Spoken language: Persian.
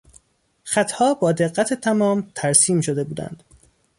خطها با دقت تمام ترسیم شده بودند.